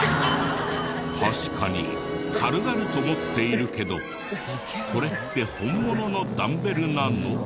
確かに軽々と持っているけどこれって本物のダンベルなの？